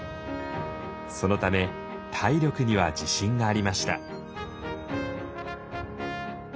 そのため体力には自信がありました。